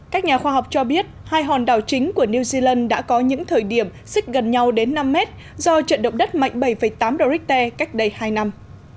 các nhà khoa học cho biết hai hòn đảo chính của new zealand đã có những thời điểm xích gần nhau đến năm mét do trận động đất mạnh bảy tám độ richter cách đây hai năm